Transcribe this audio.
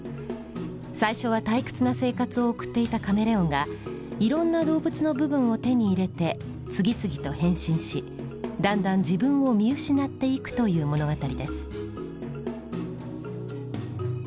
最初は退屈な生活を送っていたカメレオンがいろんな動物の部分を手に入れて次々と変身しだんだん自分を見失っていくという物語です。